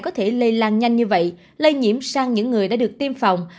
có thể lây lan nhanh như vậy lây nhiễm sang những người đã được tiêm phòng